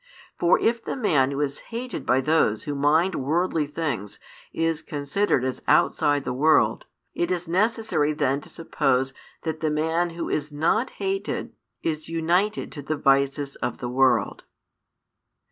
For if the man who is hated by those who mind worldly things is considered as outside the world, it is necessary then to suppose that the man who is not hated is united to the vices of the world.